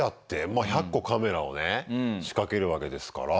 まあ１００個カメラをね仕掛けるわけですから。